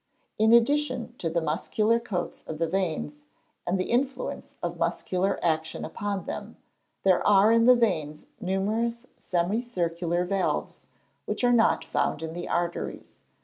_ In addition to the muscular coats of the veins, and the influence of muscular action upon them, there are in the veins numerous semi circular valves, which are not found in the arteries.